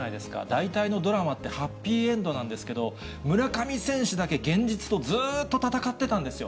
大体のドラマって、ハッピーエンドなんですけど、村上選手だけ現実とずっと戦ってたんですよ。